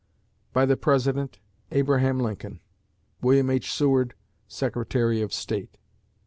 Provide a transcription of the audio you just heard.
By the President, ABRAHAM LINCOLN. WILLIAM H. SEWARD, Secretary of State.